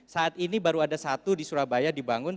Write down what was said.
saat ini baru ada satu di surabaya dibangun